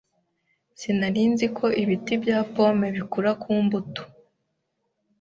Sinari nzi ko ibiti bya pome bikura ku mbuto.